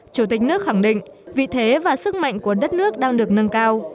chủ tịch nước khẳng định vị thế và sức mạnh của đất nước đang được nâng cao